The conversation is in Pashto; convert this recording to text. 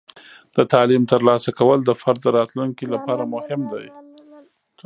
د تعلیم ترلاسه کول د فرد د راتلونکي لپاره مهم دی.